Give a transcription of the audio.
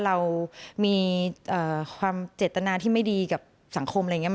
เรามีความเจตนาที่ไม่ดีกับสังคมอะไรอย่างนี้